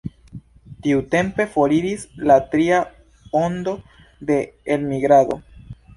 Tiutempe foriris la tria ondo de elmigrado.